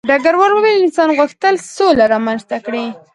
ډګروال وویل انسان غوښتل سوله رامنځته کړي